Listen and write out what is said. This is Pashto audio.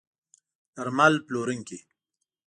درمل پلورونکي